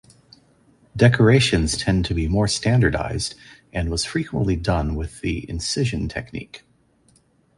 Decorations tend to be more standardized and was frequently done with the incision technique.